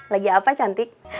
lagi apa cantik